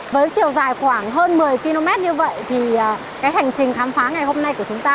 với chiều dài khoảng hơn một mươi km như vậy thì cái hành trình khám phá ngày hôm nay của chúng ta